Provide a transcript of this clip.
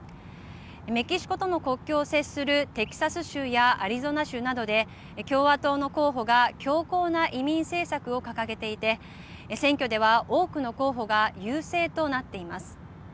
メキシコとの国境を接するテキサス州やアリゾナ州などで共和党の候補が強硬な移民政策を掲げていて選挙では多くの候補が優勢となっています。